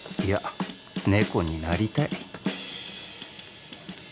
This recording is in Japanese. いや猫になりたい